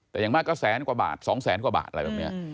แต่อย่างมากก็แสนกว่าบาท๒แสนกว่าบาทอะไรแบบนี้